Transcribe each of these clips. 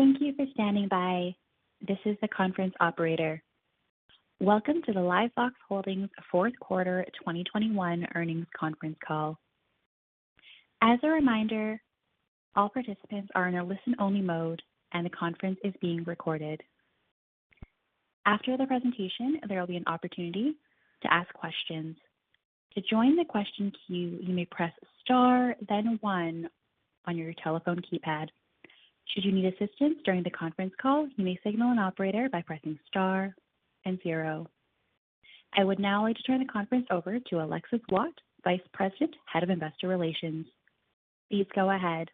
Thank you for standing by. This is the conference operator. Welcome to the LiveVox Holdings Fourth Quarter 2021 earnings conference call. As a reminder, all participants are in a listen-only mode, and the conference is being recorded. After the presentation, there will be an opportunity to ask questions. To join the question queue, you may press star then one on your telephone keypad. Should you need assistance during the conference call, you may signal an operator by pressing star and zero. I would now like to turn the conference over to Alexis Waadt, Vice President, Head of Investor Relations. Please go ahead.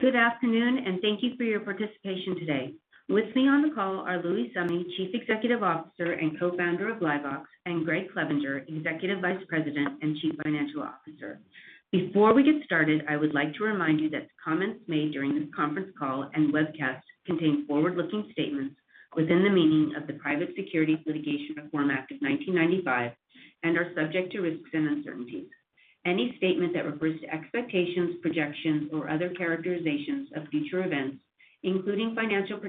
Good afternoon, and thank you for your participation today. With me on the call are Louis Summe, Chief Executive Officer and Co-Founder of LiveVox, and Gregg Clevenger, Executive Vice President and Chief Financial Officer. Before we get started, I would like to remind you that comments made during this conference call and webcast contain forward-looking statements within the meaning of the Private Securities Litigation Reform Act of 1995 and are subject to risks and uncertainties. Any statement that refers to expectations, projections, or other characterizations of future events, including financial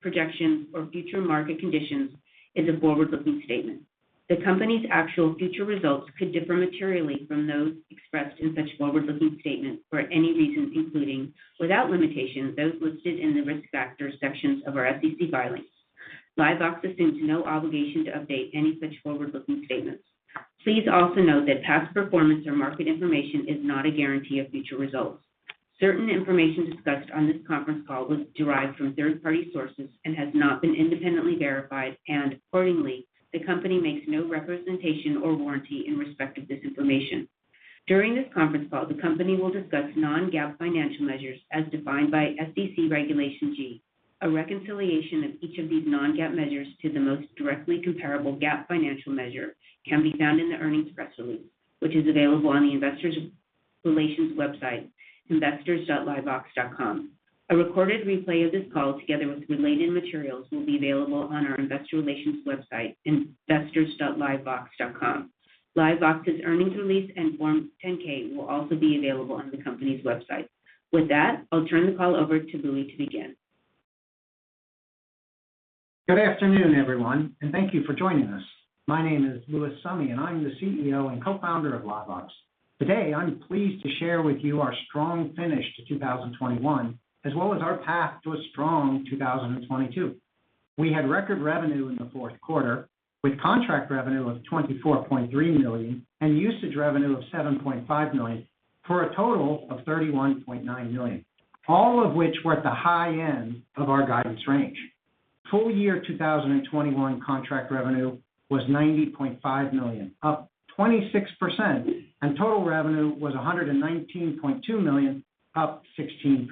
projections or future market conditions, is a forward-looking statement. The Company's actual future results could differ materially from those expressed in such forward-looking statements for any reason, including, without limitation, those listed in the Risk Factors sections of our SEC filings. LiveVox assumes no obligation to update any such forward-looking statements. Please also note that past performance or market information is not a guarantee of future results. Certain information discussed on this conference call was derived from third-party sources and has not been independently verified, and accordingly, the Company makes no representation or warranty in respect of this information. During this conference call, the Company will discuss non-GAAP financial measures as defined by SEC Regulation G. A reconciliation of each of these non-GAAP measures to the most directly comparable GAAP financial measure can be found in the earnings press release, which is available on the investor relations website, investors.livevox.com. A recorded replay of this call together with related materials will be available on our investor relations website, investors.livevox.com. LiveVox's earnings release and Form 10-K will also be available on the company's website. With that, I'll turn the call over to Louis to begin. Good afternoon, everyone, and thank you for joining us. My name is Louis Summe, and I'm the CEO and Co-founder of LiveVox. Today, I'm pleased to share with you our strong finish to 2021, as well as our path to a strong 2022. We had record revenue in the fourth quarter with contract revenue of $24.3 million and usage revenue of $7.5 million, for a total of $31.9 million, all of which were at the high end of our guidance range. Full year 2021 contract revenue was $90.5 million, up 26%, and total revenue was $119.2 million, up 16%.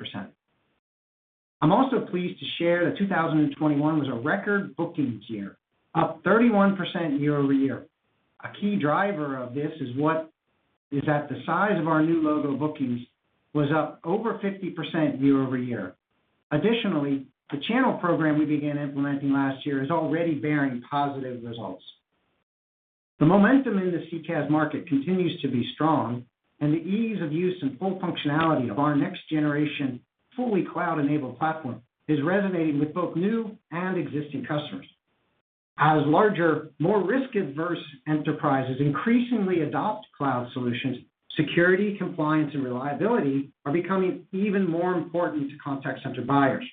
I'm also pleased to share that 2021 was a record bookings year, up 31% year-over-year. A key driver of this is that the size of our new logo bookings was up over 50% year-over-year. Additionally, the channel program we began implementing last year is already bearing positive results. The momentum in the CCaaS market continues to be strong, and the ease of use and full functionality of our next generation fully cloud-enabled platform is resonating with both new and existing customers. As larger, more risk-averse enterprises increasingly adopt cloud solutions, security, compliance, and reliability are becoming even more important to contact center buyers.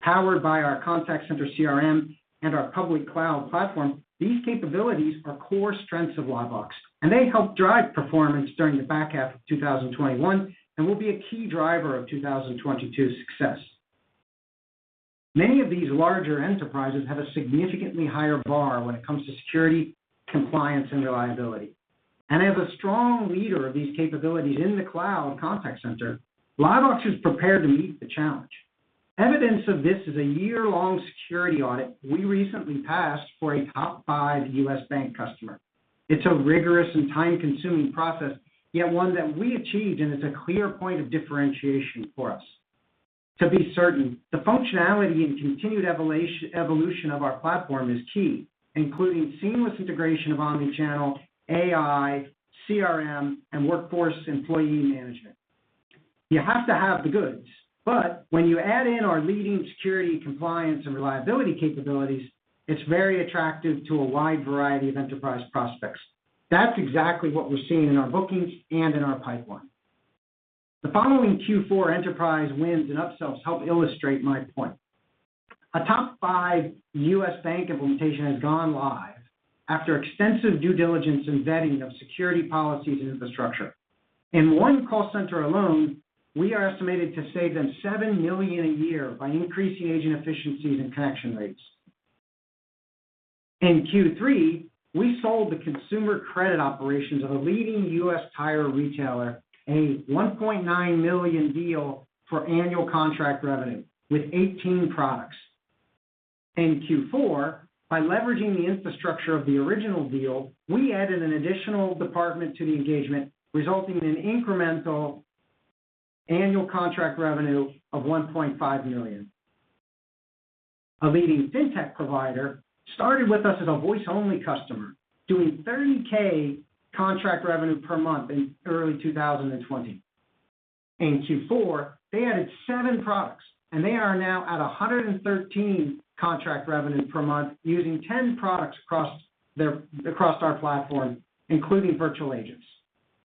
Powered by our contact center CRM and our public cloud platform, these capabilities are core strengths of LiveVox, and they helped drive performance during the back half of 2021 and will be a key driver of 2022 success. Many of these larger enterprises have a significantly higher bar when it comes to security, compliance, and reliability. As a strong leader of these capabilities in the cloud contact center, LiveVox is prepared to meet the challenge. Evidence of this is a year-long security audit we recently passed for a Top 5 U.S. bank customer. It's a rigorous and time-consuming process, yet one that we achieved, and it's a clear point of differentiation for us. To be certain, the functionality and continued evolution of our platform is key, including seamless integration of omnichannel, AI, CRM, and workforce employee management. You have to have the goods, but when you add in our leading security, compliance, and reliability capabilities, it's very attractive to a wide variety of enterprise prospects. That's exactly what we're seeing in our bookings and in our pipeline. The following Q4 enterprise wins and upsells help illustrate my point. A Top 5 U.S. bank implementation has gone live after extensive due diligence and vetting of security policies and infrastructure. In one call center alone, we are estimated to save them $7 million a year by increasing agent efficiencies and connection rates. In Q3, we sold the consumer credit operations of a leading U.S. tire retailer a $1.9 million deal for annual contract revenue with 18 products. In Q4, by leveraging the infrastructure of the original deal, we added an additional department to the engagement, resulting in an incremental annual contract revenue of $1.5 million. A leading fintech provider started with us as a voice-only customer doing $30,000 contract revenue per month in early 2020. In Q4, they added seven products, and they are now at 113 contract revenue per month using 10 products across our platform, including virtual agents.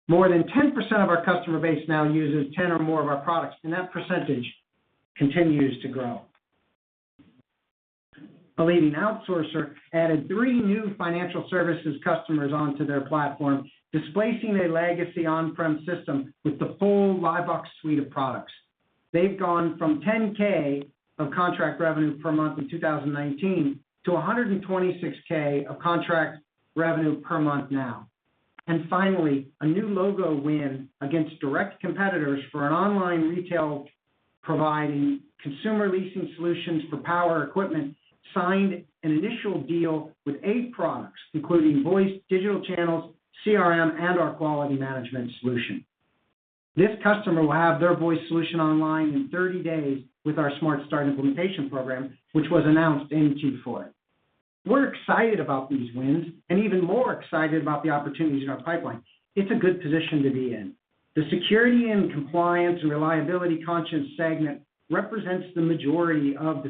More than 10% of our customer base now uses 10 or more of our products, and that percentage continues to grow. A leading outsourcer added three new financial services customers onto their platform, displacing a legacy on-prem system with the full LiveVox suite of products. They've gone from $10K of contract revenue per month in 2019 to $126K of contract revenue per month now. Finally, a new logo win against direct competitors for an online retail providing consumer leasing solutions for power equipment signed an initial deal with eight products, including voice, digital channels, CRM, and our quality management solution. This customer will have their voice solution online in 30 days with our SmartStart implementation program, which was announced in Q4. We're excited about these wins and even more excited about the opportunities in our pipeline. It's a good position to be in. The security and compliance and reliability conscious segment represents the majority of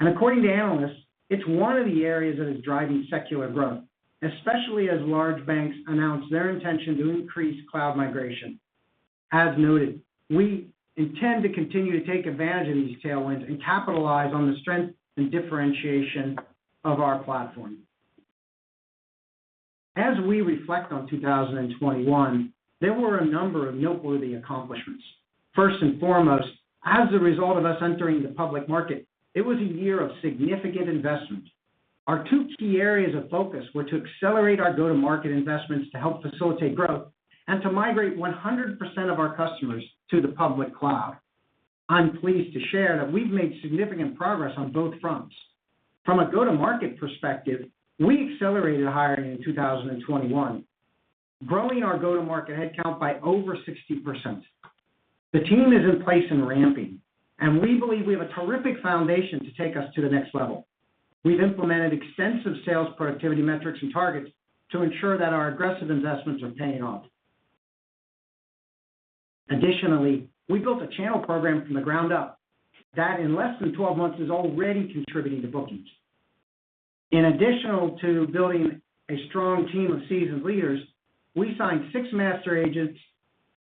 the CCaaS space. According to analysts, it's one of the areas that is driving secular growth, especially as large banks announce their intention to increase cloud migration. As noted, we intend to continue to take advantage of these tailwinds and capitalize on the strength and differentiation of our platform. As we reflect on 2021, there were a number of noteworthy accomplishments. First and foremost, as a result of us entering the public market, it was a year of significant investment. Our two key areas of focus were to accelerate our go-to-market investments to help facilitate growth and to migrate 100% of our customers to the public cloud. I'm pleased to share that we've made significant progress on both fronts. From a go-to-market perspective, we accelerated hiring in 2021, growing our go-to-market headcount by over 60%. The team is in place and ramping, and we believe we have a terrific foundation to take us to the next level. We've implemented extensive sales productivity metrics and targets to ensure that our aggressive investments are paying off. Additionally, we built a channel program from the ground up that in less than 12 months is already contributing to bookings. In addition to building a strong team of seasoned leaders, we signed six master agents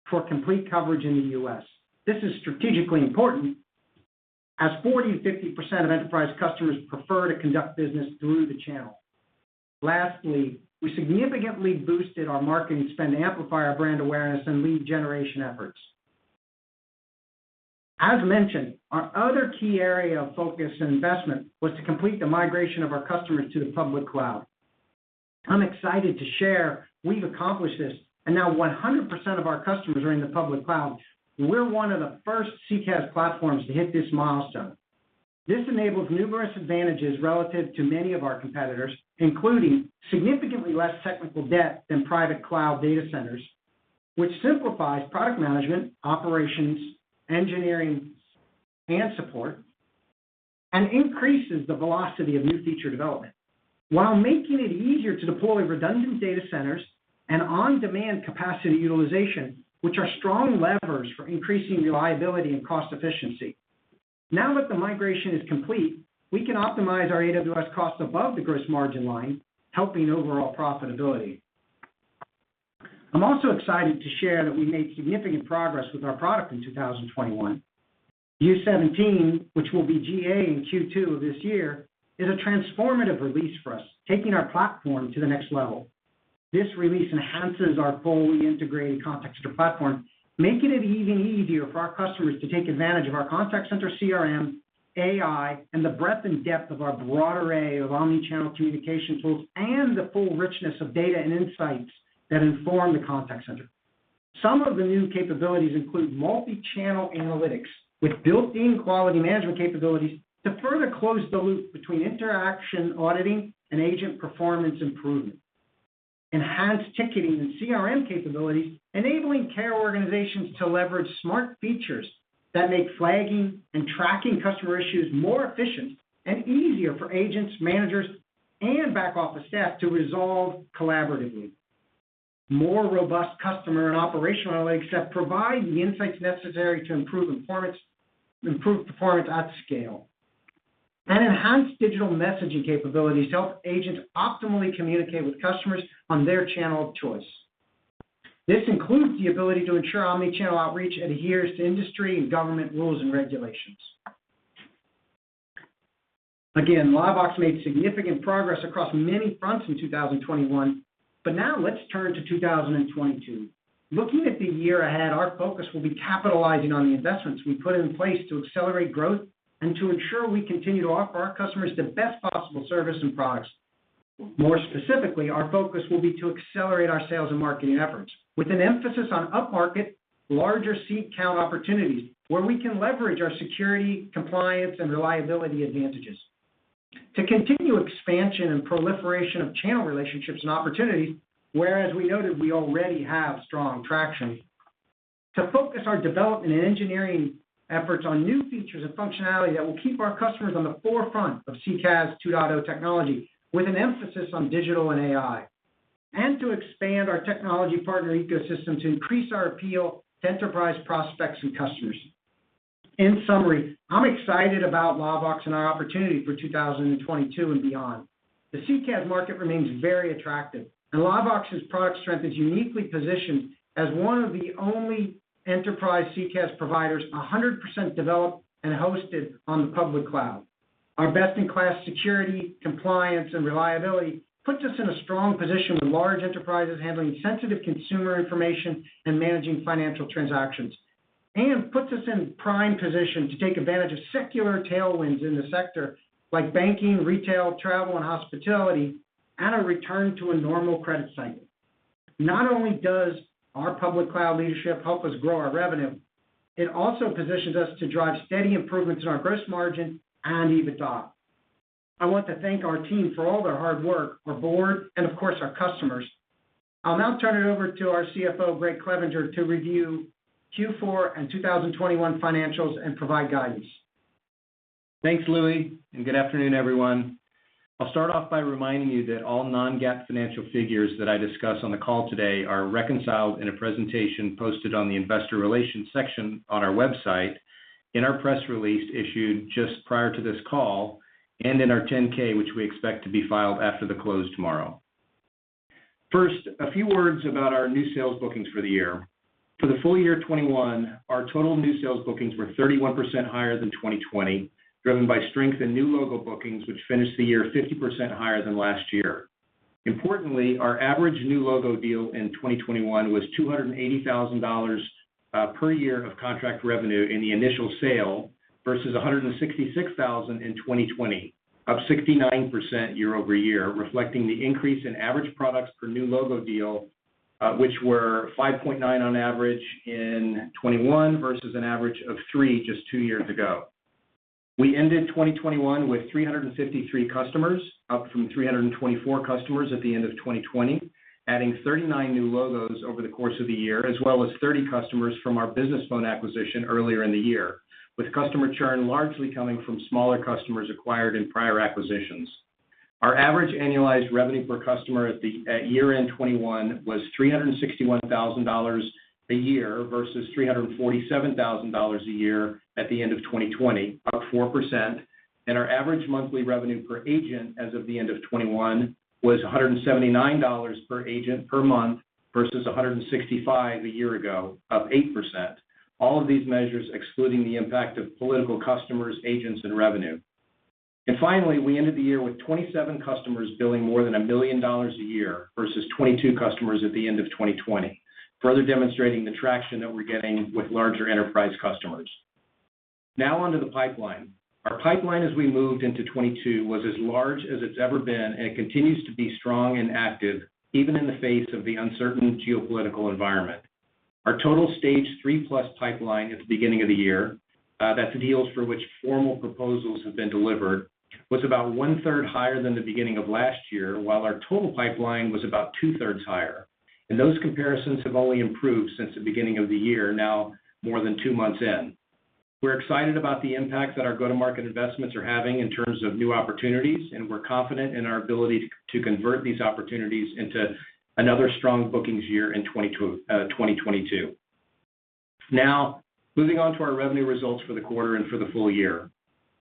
for complete coverage in the U.S. This is strategically important as 40%-50% of enterprise customers prefer to conduct business through the channel. Lastly, we significantly boosted our marketing spend to amplify our brand awareness and lead generation efforts. As mentioned, our other key area of focus and investment was to complete the migration of our customers to the public cloud. I'm excited to share we've accomplished this, and now 100% of our customers are in the public cloud. We're one of the first CCaaS platforms to hit this milestone. This enables numerous advantages relative to many of our competitors, including significantly less technical debt than private cloud data centers, which simplifies product management, operations, engineering, and support, and increases the velocity of new feature development while making it easier to deploy redundant data centers and on-demand capacity utilization, which are strong levers for increasing reliability and cost efficiency. Now that the migration is complete, we can optimize our AWS cost above the gross margin line, helping overall profitability. I'm also excited to share that we made significant progress with our product in 2021. U17, which will be GA in Q2 of this year, is a transformative release for us, taking our platform to the next level. This release enhances our fully integrated contact center platform, making it even easier for our customers to take advantage of our contact center CRM, AI, and the breadth and depth of our broad array of omnichannel communication tools and the full richness of data and insights that inform the contact center. Some of the new capabilities include multi-channel analytics with built-in Quality Management capabilities to further close the loop between interaction auditing and agent performance improvement. Enhanced ticketing and CRM capabilities enabling care organizations to leverage smart features that make flagging and tracking customer issues more efficient and easier for agents, managers, and back-office staff to resolve collaboratively. More robust customer and operational analytics provide the insights necessary to improve performance at scale. Enhanced digital messaging capabilities help agents optimally communicate with customers on their channel of choice. This includes the ability to ensure omnichannel outreach adheres to industry and government rules and regulations. Again, LiveVox made significant progress across many fronts in 2021, but now let's turn to 2022. Looking at the year ahead, our focus will be capitalizing on the investments we put in place to accelerate growth and to ensure we continue to offer our customers the best possible service and products. More specifically, our focus will be to accelerate our sales and marketing efforts with an emphasis on upmarket, larger seat count opportunities where we can leverage our security, compliance, and reliability advantages. To continue expansion and proliferation of channel relationships and opportunities, where, as we noted, we already have strong traction. To focus our development and engineering efforts on new features and functionality that will keep our customers on the forefront of CCaaS 2.0 technology with an emphasis on digital and AI, and to expand our technology partner ecosystem to increase our appeal to enterprise prospects and customers. In summary, I'm excited about LiveVox and our opportunity for 2022 and beyond. The CCaaS market remains very attractive, and LiveVox's product strength is uniquely positioned as one of the only enterprise CCaaS providers 100% developed and hosted on the public cloud. Our best-in-class security, compliance, and reliability puts us in a strong position with large enterprises handling sensitive consumer information and managing financial transactions and puts us in prime position to take advantage of secular tailwinds in the sector like banking, retail, travel, and hospitality at a return to a normal credit cycle. Not only does our public cloud leadership help us grow our revenue, it also positions us to drive steady improvements in our gross margin and EBITDA. I want to thank our team for all their hard work, our board, and of course, our customers. I'll now turn it over to our CFO, Gregg Clevenger, to review Q4 and 2021 financials and provide guidance. Thanks, Louis, and good afternoon, everyone. I'll start off by reminding you that all non-GAAP financial figures that I discuss on the call today are reconciled in a presentation posted on the investor relations section on our website in our press release issued just prior to this call and in our 10-K, which we expect to be filed after the close tomorrow. First, a few words about our new sales bookings for the year. For the full year 2021, our total new sales bookings were 31% higher than 2020, driven by strength in new logo bookings, which finished the year 50% higher than last year. Importantly, our average new logo deal in 2021 was $280,000 per year of contract revenue in the initial sale versus $166,000 in 2020, up 69% year-over-year, reflecting the increase in average products per new logo deal, which were 5.9 on average in 2021 versus an average of three just two years ago. We ended 2021 with 353 customers, up from 324 customers at the end of 2020, adding 39 new logos over the course of the year as well as 30 customers from our BusinessPhone acquisition earlier in the year, with customer churn largely coming from smaller customers acquired in prior acquisitions. Our average annualized revenue per customer at year-end 2021 was $361,000 a year versus $347,000 a year at the end of 2020, up 4%, and our average monthly revenue per agent as of the end of 2021 was $179 per agent per month versus $165 a year ago, up 8%. All of these measures excluding the impact of political customers, agents, and revenue. Finally, we ended the year with 27 customers billing more than $1 million a year versus 22 customers at the end of 2020, further demonstrating the traction that we're getting with larger enterprise customers. Now on to the pipeline. Our pipeline as we moved into 2022 was as large as it's ever been and continues to be strong and active even in the face of the uncertain geopolitical environment. Our total stage three-plus pipeline at the beginning of the year, that's deals for which formal proposals have been delivered, was about one-third higher than the beginning of last year, while our total pipeline was about two-thirds higher. Those comparisons have only improved since the beginning of the year, now more than two months in. We're excited about the impact that our go-to-market investments are having in terms of new opportunities, and we're confident in our ability to convert these opportunities into another strong bookings year in 2022, twenty twenty-two. Now, moving on to our revenue results for the quarter and for the full year.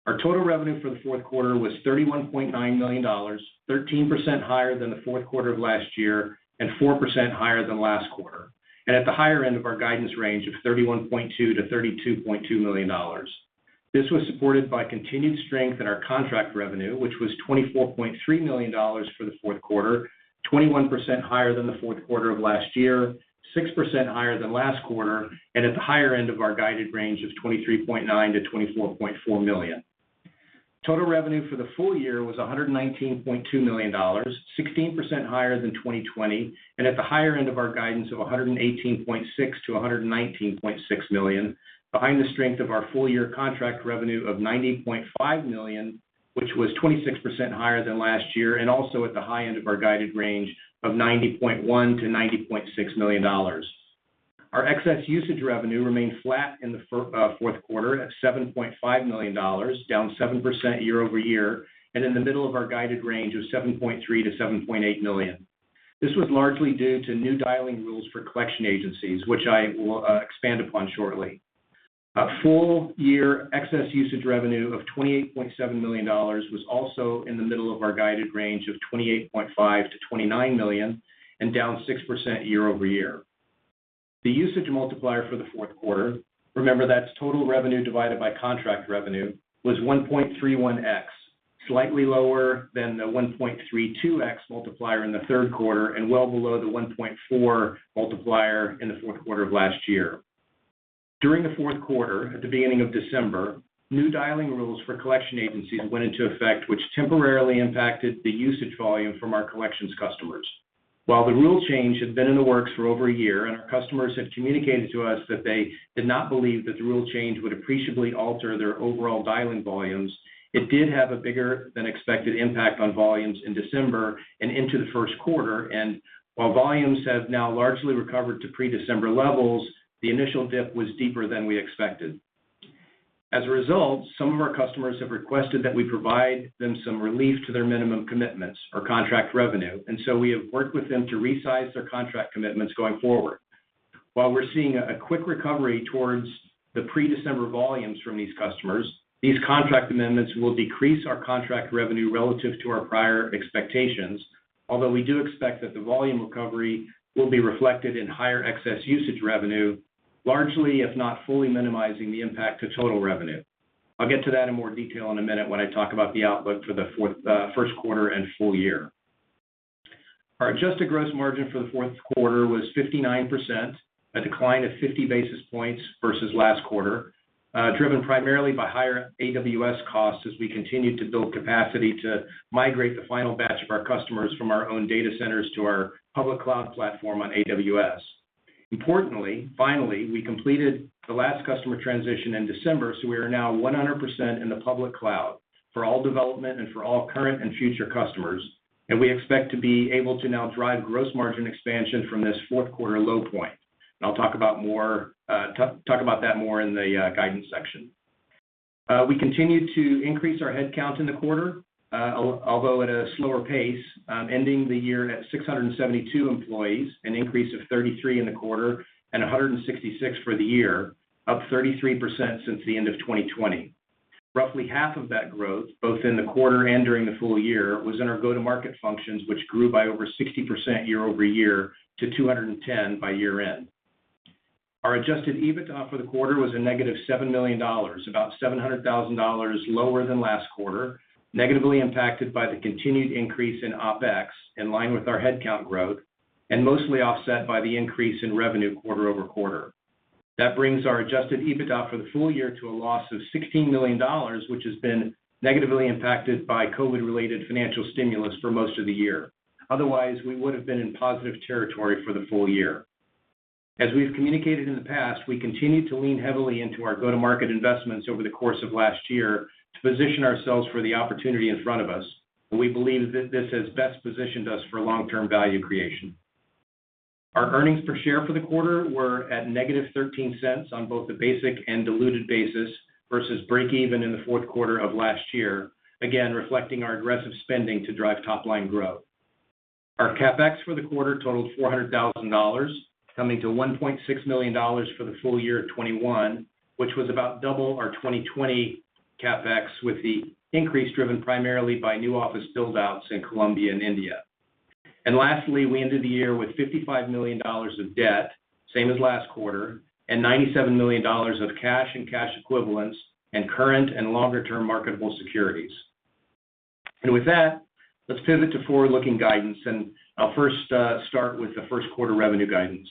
Our total revenue for the fourth quarter was $31.9 million, 13% higher than the fourth quarter of last year and 4% higher than last quarter, and at the higher end of our guidance range of $31.2-$32.2 million. This was supported by continued strength in our contract revenue, which was $24.3 million for the fourth quarter, 21% higher than the fourth quarter of last year, 6% higher than last quarter, and at the higher end of our guidance range of $23.9-$24.4 million. Total revenue for the full year was $119.2 million, 16% higher than 2020, and at the higher end of our guidance of $118.6 million-$119.6 million, behind the strength of our full year contract revenue of $90.5 million, which was 26% higher than last year and also at the high end of our guided range of $90.1 million-$90.6 million. Our excess usage revenue remained flat in the fourth quarter at $7.5 million, down 7% year-over-year, and in the middle of our guided range of $7.3 million-$7.8 million. This was largely due to new dialing rules for collection agencies, which I will expand upon shortly. Our full year excess usage revenue of $28.7 million was also in the middle of our guided range of $28.5-$29 million and down 6% year-over-year. The usage multiplier for the fourth quarter, remember that's total revenue divided by contract revenue, was 1.31x, slightly lower than the 1.32x multiplier in the third quarter and well below the 1.4 multiplier in the fourth quarter of last year. During the fourth quarter, at the beginning of December, new dialing rules for collection agencies went into effect, which temporarily impacted the usage volume from our collections customers. While the rule change had been in the works for over a year and our customers had communicated to us that they did not believe that the rule change would appreciably alter their overall dialing volumes, it did have a bigger than expected impact on volumes in December and into the first quarter, and while volumes have now largely recovered to pre-December levels, the initial dip was deeper than we expected. As a result, some of our customers have requested that we provide them some relief to their minimum commitments or contract revenue, and so we have worked with them to resize their contract commitments going forward. While we're seeing a quick recovery towards the pre-December volumes from these customers, these contract amendments will decrease our contract revenue relative to our prior expectations. Although we do expect that the volume recovery will be reflected in higher excess usage revenue, largely, if not fully minimizing the impact to total revenue. I'll get to that in more detail in a minute when I talk about the outlook for the first quarter and full year. Our adjusted gross margin for the fourth quarter was 59%, a decline of 50 basis points versus last quarter, driven primarily by higher AWS costs as we continued to build capacity to migrate the final batch of our customers from our own data centers to our public cloud platform on AWS. Importantly, finally, we completed the last customer transition in December, so we are now 100% in the public cloud for all development and for all current and future customers, and we expect to be able to now drive gross margin expansion from this fourth quarter low point. I'll talk about that more in the guidance section. We continued to increase our headcount in the quarter, although at a slower pace, ending the year at 672 employees, an increase of 33% in the quarter and 166 for the year, up 33% since the end of 2020. Roughly half of that growth, both in the quarter and during the full year, was in our go-to-market functions, which grew by over 60% year-over-year to 210 by year-end. Our adjusted EBITDA for the quarter was a -$7 million, about $700,000 lower than last quarter, negatively impacted by the continued increase in OpEx in line with our headcount growth, and mostly offset by the increase in revenue quarter-over-quarter. That brings our adjusted EBITDA for the full year to a loss of $16 million, which has been negatively impacted by COVID-related financial stimulus for most of the year. Otherwise, we would have been in positive territory for the full year. As we've communicated in the past, we continued to lean heavily into our go-to-market investments over the course of last year to position ourselves for the opportunity in front of us, and we believe this has best positioned us for long-term value creation. Our earnings per share for the quarter were at $0.13. On both a basic and diluted basis versus breakeven in the fourth quarter of last year, again reflecting our aggressive spending to drive top-line growth. Our CapEx for the quarter totaled $400,000, coming to $1.6 million for the full year of 2021, which was about double our 2020 CapEx, with the increase driven primarily by new office build-outs in Colombia and India. Lastly, we ended the year with $55 million of debt, same as last quarter, and $97 million of cash and cash equivalents and current and longer-term marketable securities. With that, let's pivot to forward-looking guidance, and I'll first start with the first quarter revenue guidance.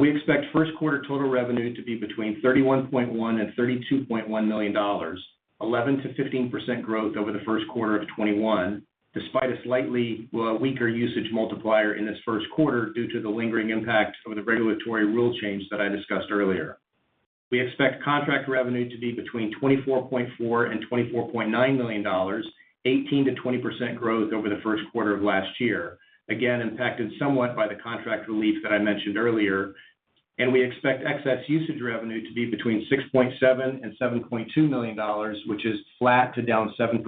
We expect first quarter total revenue to be between $31.1 million and $32.1 million, 11%-15% growth over the first quarter of 2021, despite a slightly, well, weaker usage multiplier in this first quarter due to the lingering impact of the regulatory rule change that I discussed earlier. We expect contract revenue to be between $24.4 million and $24.9 million, 18%-20% growth over the first quarter of last year, again impacted somewhat by the contract relief that I mentioned earlier. We expect excess usage revenue to be between $6.7 million and $7.2 million, which is flat to down 7%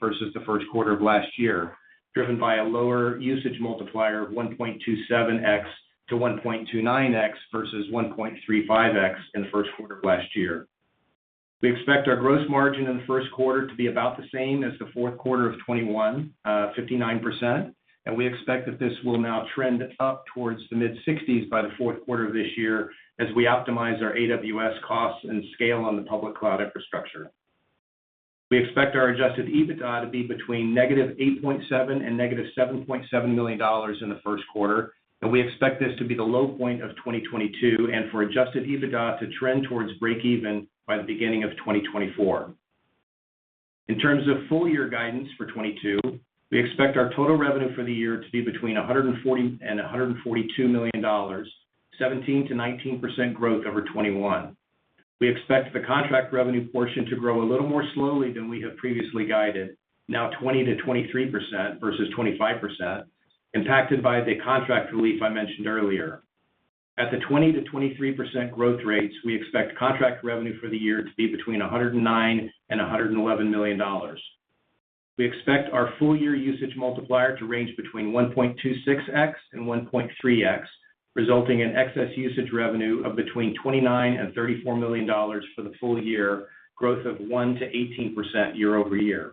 versus the first quarter of last year, driven by a lower usage multiplier of 1.27x-1.29x versus 1.35x in the first quarter of last year. We expect our gross margin in the first quarter to be about the same as the fourth quarter of 2021, 59%, and we expect that this will now trend up towards the mid-60s by the fourth quarter of this year as we optimize our AWS costs and scale on the public cloud infrastructure. We expect our adjusted EBITDA to be between -$8.7 million and -$7.7 million in the first quarter, and we expect this to be the low point of 2022 and for adjusted EBITDA to trend towards breakeven by the beginning of 2024. In terms of full year guidance for 2022, we expect our total revenue for the year to be between $140 million and $142 million, 17%-19% growth over 2021. We expect the contract revenue portion to grow a little more slowly than we have previously guided, now 20%-23% versus 25%, impacted by the contract relief I mentioned earlier. At the 20%-23% growth rates, we expect contract revenue for the year to be between $109 million and $111 million. We expect our full year usage multiplier to range between 1.26x and 1.3x, resulting in excess usage revenue of between $29 million and $34 million for the full year, growth of 1%-18% year-over-year.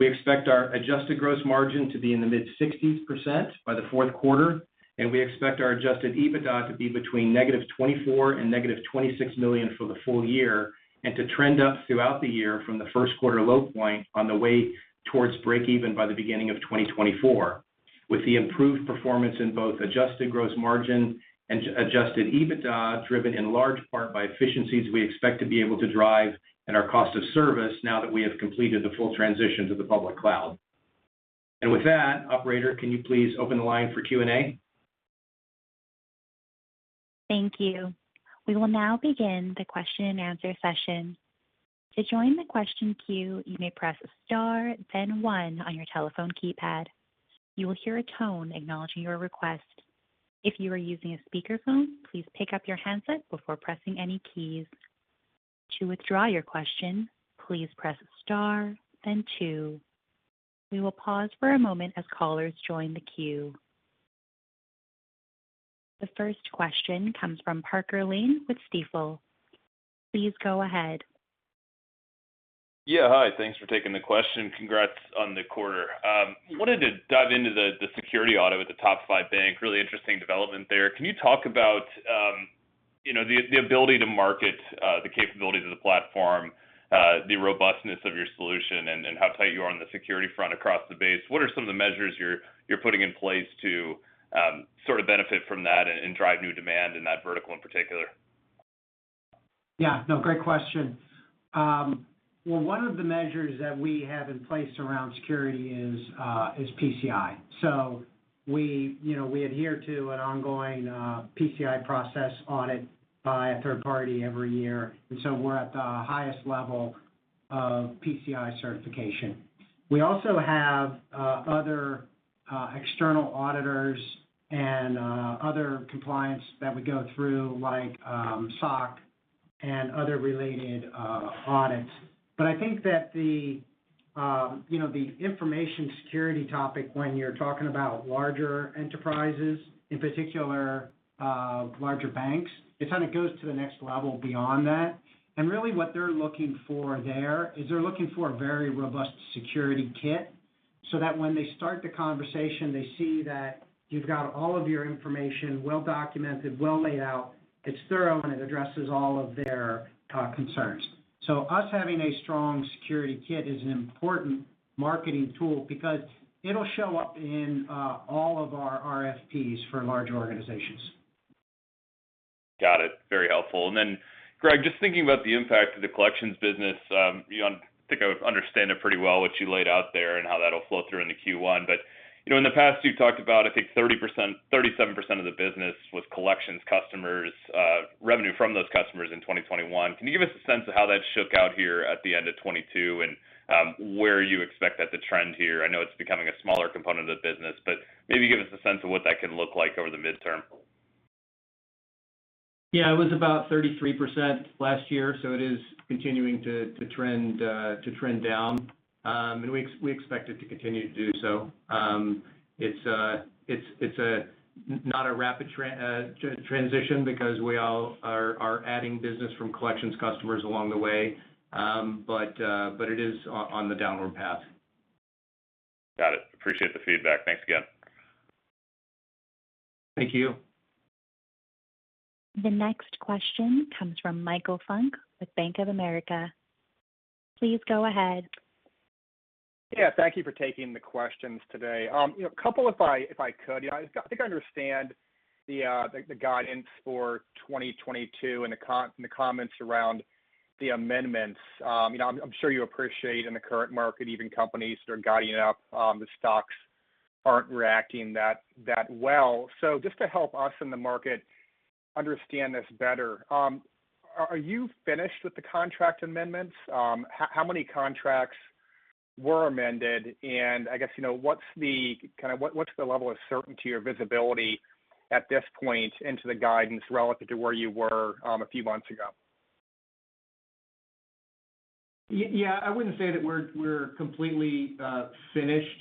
We expect our adjusted gross margin to be in the mid-60s% by the fourth quarter, and we expect our adjusted EBITDA to be between -$24 million and -$26 million for the full year and to trend up throughout the year from the first quarter low point on the way towards breakeven by the beginning of 2024, with the improved performance in both adjusted gross margin and adjusted EBITDA driven in large part by efficiencies we expect to be able to drive in our cost of service now that we have completed the full transition to the public cloud. With that, operator, can you please open the line for Q&A? Thank you. We will now begin the question and answer session. To join the question queue, you may press star then one on your telephone keypad. You will hear a tone acknowledging your request. If you are using a speakerphone, please pick up your handset before pressing any keys. To withdraw your question, please press star then two. We will pause for a moment as callers join the queue. The first question comes from Parker Lane with Stifel. Please go ahead. Yeah, hi. Thanks for taking the question. Congrats on the quarter. Wanted to dive into the security audit at the Top 5 bank. Really interesting development there. Can you talk about, you know, the ability to market the capabilities of the platform, the robustness of your solution and how tight you are on the security front across the base? What are some of the measures you're putting in place to sort of benefit from that and drive new demand in that vertical in particular? Yeah. No, great question. Well, one of the measures that we have in place around security is PCI. So we, you know, we adhere to an ongoing PCI process audited by a third party every year. We're at the highest level of PCI certification. We also have other external auditors and other compliance that we go through like SOC and other related audits. I think that the, you know, the information security topic when you're talking about larger enterprises, in particular, larger banks, it kind of goes to the next level beyond that. Really what they're looking for there is a very robust security kit so that when they start the conversation, they see that you've got all of your information well documented, well laid out, it's thorough, and it addresses all of their concerns. Us having a strong security kit is an important marketing tool because it'll show up in all of our RFPs for large organizations. Got it. Very helpful. Gregg, just thinking about the impact of the collections business, you know, I think I would understand it pretty well what you laid out there and how that'll flow through into Q1. You know, in the past you've talked about, I think 30%, 37% of the business was collections customers' revenue from those customers in 2021. Can you give us a sense of how that shook out here at the end of 2022 and, where you expect that to trend here? I know it's becoming a smaller component of the business, but maybe give us a sense of what that can look like over the midterm. It was about 33% last year, so it is continuing to trend down. We expect it to continue to do so. It's not a rapid transition because we all are adding business from collections customers along the way. It is on the downward path. Got it. Appreciate the feedback. Thanks again. Thank you. The next question comes from Michael Funk with Bank of America. Please go ahead. Yeah. Thank you for taking the questions today. You know, a couple if I could. You know, I think I understand the guidance for 2022 and the comments around the amendments. You know, I'm sure you appreciate in the current market even companies that are guiding up, the stocks aren't reacting that well. Just to help us in the market understand this better, are you finished with the contract amendments? How many contracts were amended? And I guess, you know, what's the level of certainty or visibility at this point into the guidance relative to where you were a few months ago? Yeah, I wouldn't say that we're completely finished.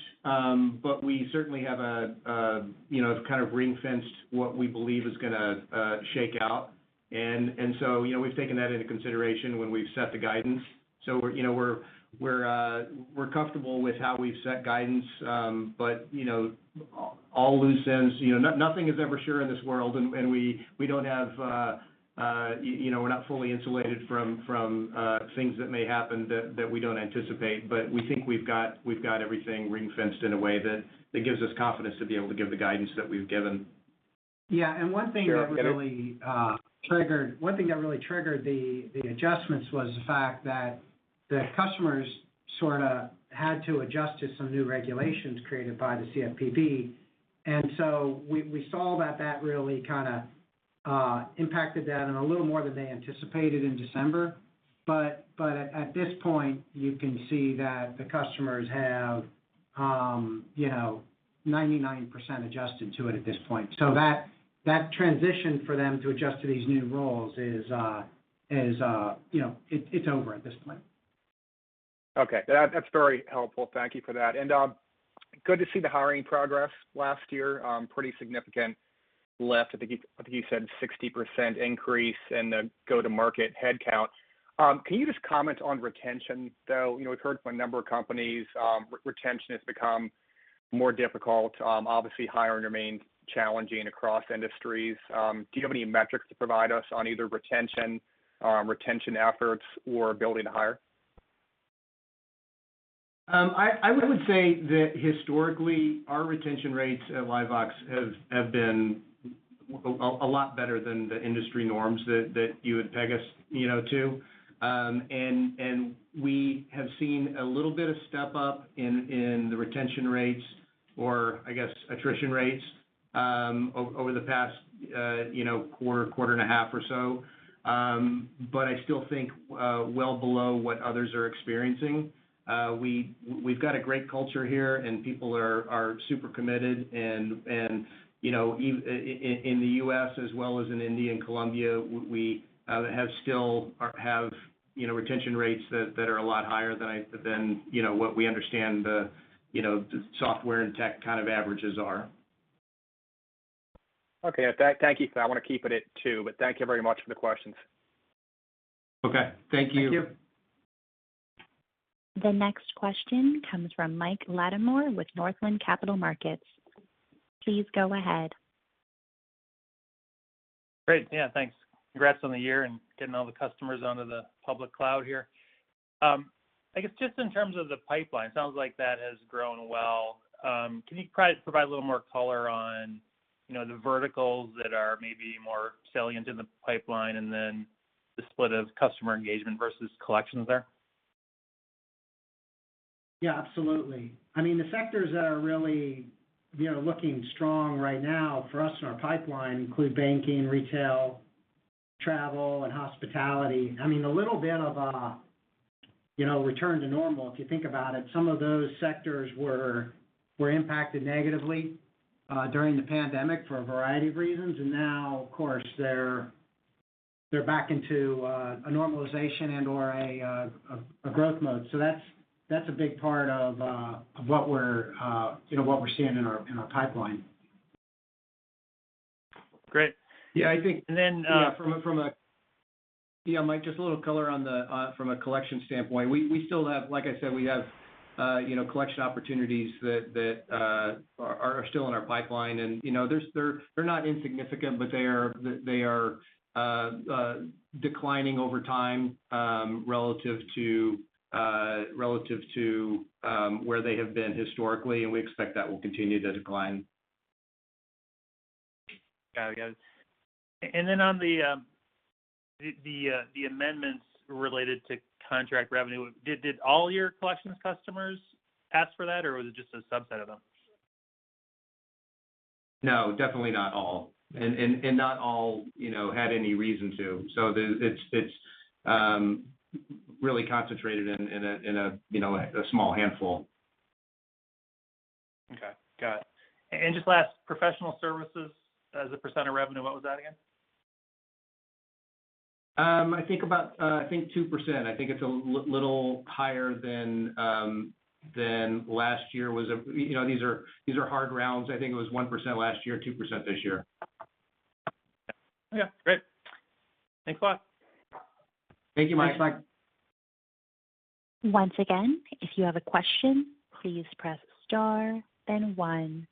We certainly have a you know kind of ring-fenced what we believe is gonna shake out. We've taken that into consideration when we've set the guidance. We're comfortable with how we've set guidance. All loose ends, you know. Nothing is ever sure in this world, and we don't have you know we're not fully insulated from things that may happen that we don't anticipate. We think we've got everything ring-fenced in a way that gives us confidence to be able to give the guidance that we've given. Yeah. One thing that really triggered Sure. One thing that really triggered the adjustments was the fact that the customers sorta had to adjust to some new regulations created by the CFPB. We saw that really kinda impacted that and a little more than they anticipated in December. At this point, you can see that the customers have you know, 99% adjusted to it at this point. That transition for them to adjust to these new rules is you know, it's over at this point. Okay. That's very helpful. Thank you for that. Good to see the hiring progress last year, pretty significant lift. I think you said 60% increase in the go-to-market headcount. Can you just comment on retention, though? You know, we've heard from a number of companies, retention has become more difficult. Obviously hiring remains challenging across industries. Do you have any metrics to provide us on either retention efforts or ability to hire? I would say that historically our retention rates at LiveVox have been a lot better than the industry norms that you would peg us, you know, to. We have seen a little bit of step up in the retention rates or I guess attrition rates over the past You know, quarter and a half or so. I still think well below what others are experiencing. We've got a great culture here, and people are super committed and, you know, in the U.S. as well as in India and Colombia. We still have, you know, retention rates that are a lot higher than you know what we understand the, you know, the software and tech kind of averages are. Okay. Thank you. I wanna keep it at two, but thank you very much for the questions. Okay. Thank you. Thank you. The next question comes from Mike Latimore with Northland Capital Markets. Please go ahead. Great. Yeah, thanks. Congrats on the year and getting all the customers onto the public cloud here. I guess just in terms of the pipeline, sounds like that has grown well. Can you probably provide a little more color on, you know, the verticals that are maybe more salient in the pipeline and then the split of customer engagement versus collections there? Yeah, absolutely. I mean, the sectors that are really, you know, looking strong right now for us in our pipeline include banking, retail, travel, and hospitality. I mean, a little bit of a, you know, return to normal. If you think about it, some of those sectors were impacted negatively during the pandemic for a variety of reasons. Now, of course, they're back into a normalization and or a growth mode. That's a big part of what we're, you know, what we're seeing in our pipeline. Great. Yeah, I think and then, Yeah, Mike, just a little color from a collection standpoint. We still have. Like I said, we have you know collection opportunities that are still in our pipeline. You know, they're not insignificant, but they are declining over time, relative to where they have been historically, and we expect that will continue to decline. Got it. On the amendments related to contract revenue, did all your collections customers ask for that, or was it just a subset of them? No, definitely not all. Not all, you know, had any reason to. It's really concentrated in a, you know, small handful. Okay. Got it. Just last, professional services as a % of revenue, what was that again? I think about 2%. I think it's a little higher than last year was. You know, these are hard rounds. I think it was 1% last year, 2% this year. Okay. Great. Thanks a lot. Thank you, Mike. Thanks. Once again, if you have a question, please press star then one.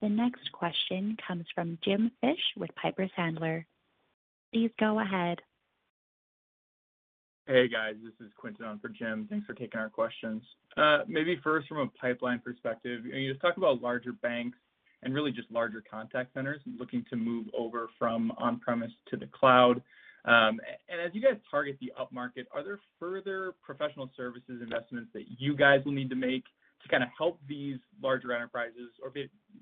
The next question comes from Jim Fish with Piper Sandler. Please go ahead. Hey, guys. This is Quinton on for Jim. Thanks for taking our questions. Maybe first from a pipeline perspective, you know, you talk about larger banks and really just larger contact centers looking to move over from on-premise to the cloud. And as you guys target the upmarket, are there further professional services investments that you guys will need to make to kinda help these larger enterprises or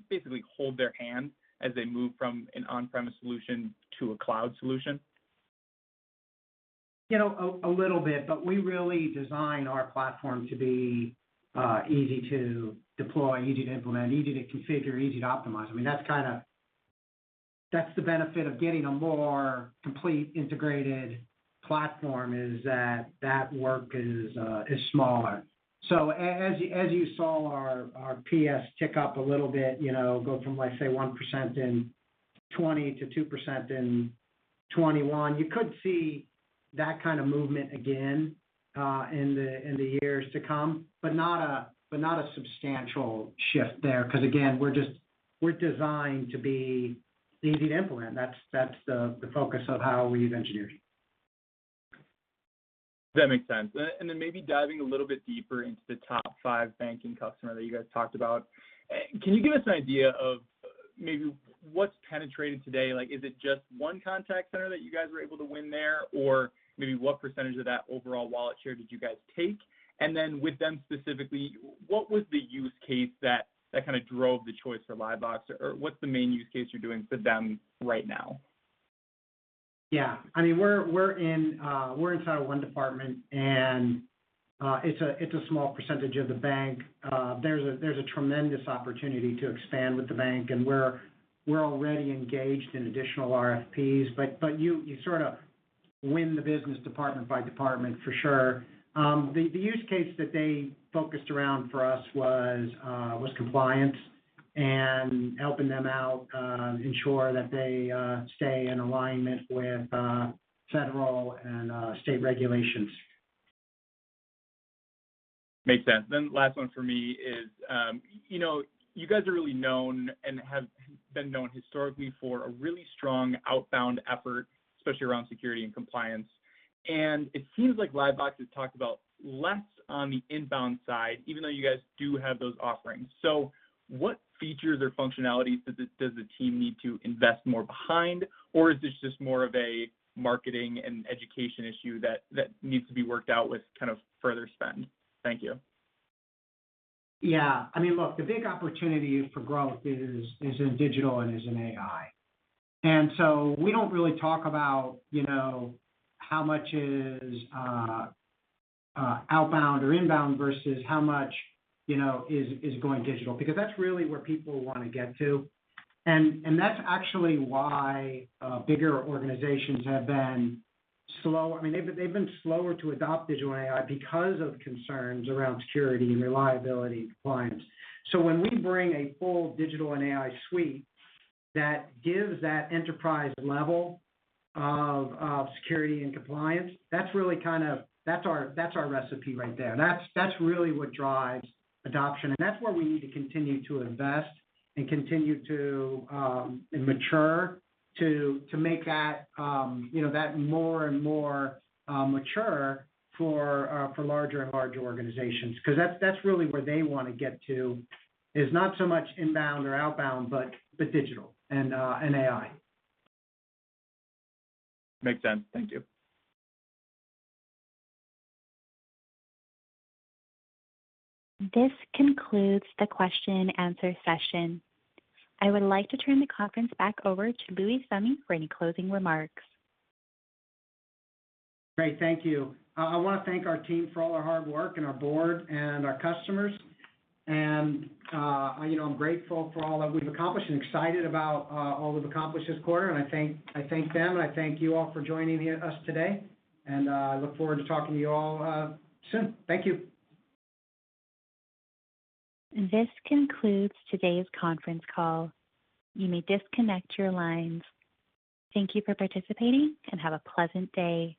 basically hold their hand as they move from an on-premise solution to a cloud solution? You know, a little bit, but we really design our platform to be easy to deploy, easy to implement, easy to configure, easy to optimize. I mean, that's kinda that's the benefit of getting a more complete integrated platform is that work is smaller. So as you saw our PS tick up a little bit, you know, go from, like, say, 1% in 2020 to 2% in 2021. You could see that kind of movement again in the years to come, but not a substantial shift there 'cause again we're just we're designed to be easy to implement. That's the focus of how we've engineered. That makes sense. Maybe diving a little bit deeper into the Top 5 banking customer that you guys talked about. Can you give us an idea of maybe what's penetrated today? Like, is it just one contact center that you guys were able to win there? Or maybe what percentage of that overall wallet share did you guys take? With them specifically, what was the use case that kinda drove the choice for LiveVox? Or what's the main use case you're doing for them right now? Yeah. I mean, we're inside one department, and it's a small percentage of the bank. There's a tremendous opportunity to expand with the bank, and we're already engaged in additional RFPs. You sorta win the business department by department for sure. The use case that they focused around for us was compliance and helping them out ensure that they stay in alignment with federal and state regulations. Makes sense. Last one for me is, you know, you guys are really known and have been known historically for a really strong outbound effort, especially around security and compliance. It seems like LiveVox is talked about less on the inbound side, even though you guys do have those offerings. What features or functionalities does the team need to invest more behind? Or is this just more of a marketing and education issue that needs to be worked out with kind of further spend? Thank you. Yeah. I mean, look, the big opportunity for growth is in digital and in AI. We don't really talk about, you know, how much is outbound or inbound versus how much, you know, is going digital, because that's really where people wanna get to. That's actually why bigger organizations have been slow. I mean, they've been slower to adopt digital AI because of concerns around security and reliability and compliance. When we bring a full digital and AI suite that gives that enterprise level of security and compliance, that's really kind of that's our recipe right there. That's really what drives adoption, and that's where we need to continue to invest and continue to mature to make that you know that more and more mature for larger and larger organizations. 'Cause that's really where they wanna get to, is not so much inbound or outbound, but digital and AI. Makes sense. Thank you. This concludes the question and answer session. I would like to turn the conference back over to Louis Summe for any closing remarks. Great. Thank you. I wanna thank our team for all their hard work and our board and our customers. You know, I'm grateful for all that we've accomplished and excited about all we've accomplished this quarter. I thank them, and I thank you all for joining us today, and I look forward to talking to you all soon. Thank you. This concludes today's conference call. You may disconnect your lines. Thank you for participating, and have a pleasant day.